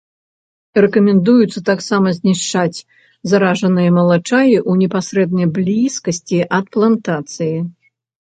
Рэкамендуецца таксама знішчаць заражаныя малачаі ў непасрэднай блізкасці ад плантацыі.